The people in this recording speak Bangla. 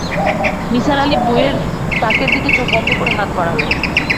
নিসার আলি বইয়ের তাকের দিকে চোখ বন্ধ করে হাত বাড়ালেন।